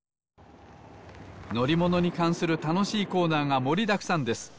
のりものにかんするたのしいコーナーがもりだくさんです。